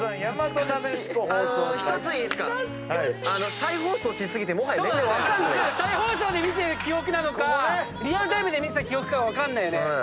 再放送で見てる記憶なのかリアルタイムで見てた記憶か分かんないよね。